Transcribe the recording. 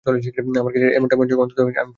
আমার কাছে এমনটাই মনে হয়, অন্তত আমি ফিরে তো এসেছি।